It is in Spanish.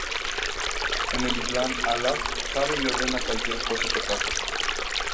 En el Islam, Alá sabe y ordena cualquier cosa que pasa.